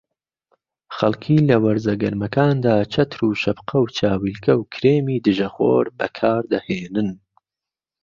خەڵکی لە وەرزە گەرمەکاندا چەتر و شەپقە و چاویلکە و کرێمی دژەخۆر بەکاردەهێنن